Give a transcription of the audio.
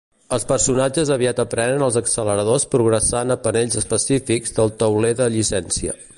Els personatges aviat aprenen els acceleradors progressant a panells específics del tauler de llicència.